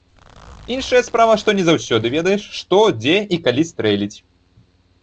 Іншая справа, што не заўсёды ведаеш, што, дзе і калі стрэліць.